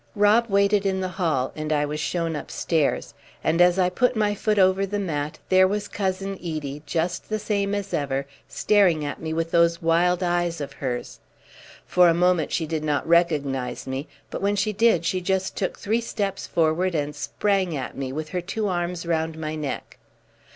Rob waited in the hall, and I was shown upstairs; and as I put my foot over the mat, there was Cousin Edie, just the same as ever, staring at me with those wild eyes of hers. For a moment she did not recognise me, but when she did she just took three steps forward and sprang at me, with her two arms round my neck.